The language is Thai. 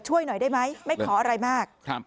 ช่วยหน่อยได้ไหมไม่ขออะไรมาก